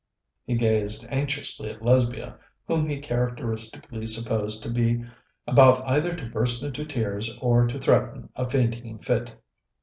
He gazed anxiously at Lesbia, whom he characteristically supposed to be about either to burst into tears or to threaten a fainting fit.